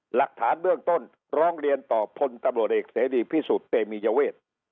หลักฐานเบื้องต้นร้องเรียนต่อพลตำรวจเอกเสรีพิสุทธิ์เตมียเวท